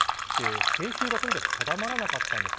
制球がとにかく定まらなかったんですね。